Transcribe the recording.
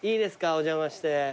お邪魔して。